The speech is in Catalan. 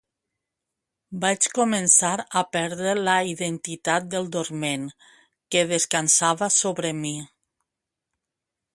Vaig començar a perdre la identitat del dorment que descansava sobre mi.